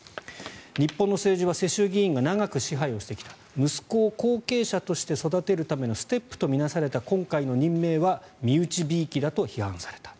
日本の政治は世襲議員が長く支配してきた息子を後継者として育てるためにステップと見なされた今回の任命は身内びいきだと批判された。